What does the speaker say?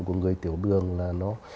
của người tiểu đường là nó